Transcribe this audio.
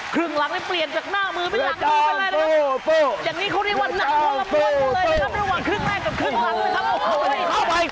ครึ่งหลังได้เปลี่ยนจากหน้ามือไปหลังมือไปเลยนะครับอย่างนี้เขาได้วัดหนังมนตร์มนตร์หมดเลยนะครับระหว่างครึ่งแรกกับครึ่งหลังเลยครับโอ้โหโอ้โหโอ้โห